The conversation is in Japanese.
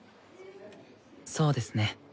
そうですね。